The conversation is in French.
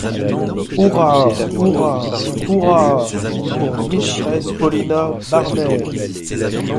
Hurrah ! hurrah ! hurrah ! pour mistress Paulina Barnett !